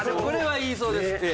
これは言いそうです。